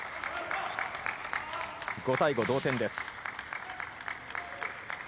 ５対５、同点です。